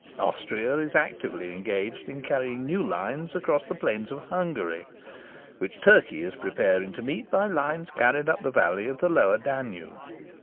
Austria is actively engaged in carrying new lines across the plains of Hungary, which Turkey is preparing to meet by lines carried up the valley of the Lower Danube.